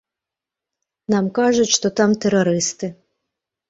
Нам кажуць, што там тэрарысты.